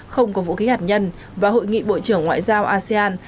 không có vũ khí hạt nhân và hội nghị bộ trưởng ngoại giao asean